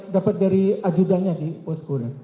dapat dari ajudannya pak sekurang